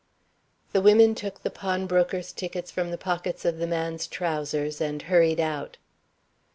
The women took the pawnbroker's tickets from the pockets of the man's trousers and hurried out.